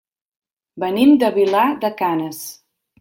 Venim de Vilar de Canes.